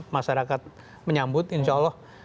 masyarakat menyambut insya allah